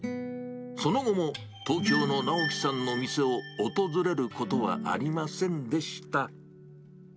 その後も東京の直樹さんの店を訪れることはありませんでした。